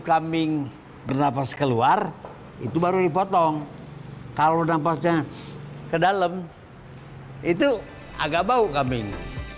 kedalam itu agak bau kambing